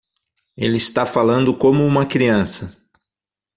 Ele está falando como uma criança.